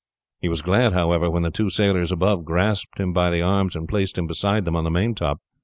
He was glad, however, when the two sailors above grasped him by the arms, and placed him beside them on the main top.